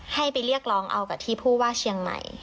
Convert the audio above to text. ให้ไปเรียกร้องเอากับที่ผู้ว่าเชียงใหม่